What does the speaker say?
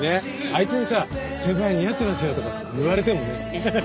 あいつにさ先輩似合ってますよとかって言われてもね。